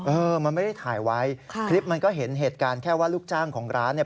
เออมันไม่ได้ถ่ายไว้ค่ะคลิปมันก็เห็นเหตุการณ์แค่ว่าลูกจ้างของร้านเนี่ย